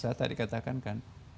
saya tadi katakan kan